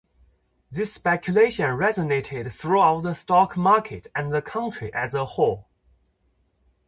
This speculation resonated throughout the stock market and the country as a whole.